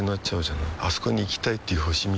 あそこに行きたいっていう星みたいなもんでさ